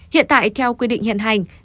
hiện tại theo quy định hiện hành